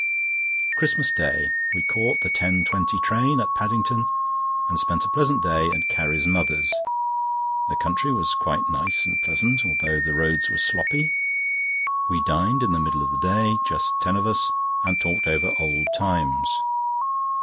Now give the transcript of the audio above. CHRISTMAS DAY.—We caught the 10.20 train at Paddington, and spent a pleasant day at Carrie's mother's. The country was quite nice and pleasant, although the roads were sloppy. We dined in the middle of the day, just ten of us, and talked over old times.